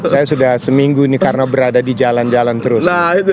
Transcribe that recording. saya sudah seminggu ini karena berada di jalan jalan terus